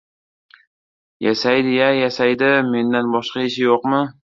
Yasaydi-ya, yasaydi! Mendan boshqa ishi yo‘qmi?